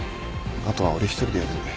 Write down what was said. あとは俺一人でやるんで。